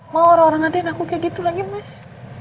mau orang orang ngadain aku kayak gitu lagi mas